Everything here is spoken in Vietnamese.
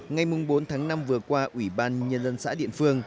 ngay mùng bốn tháng năm vừa qua ủy ban nhân dân xã điện phương